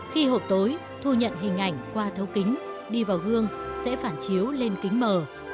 khi hộp tối thu nhận hình ảnh qua thấu kính đi vào gương sẽ phản chiếu lên kính mờ